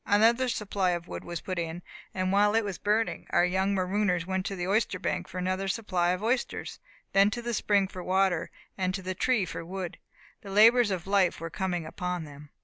Another supply of wood was put in, and while it was burning our young marooners went to the oyster bank for another supply of oysters, then to the spring for water, and to the tree for wood. The labours of life were coming upon them.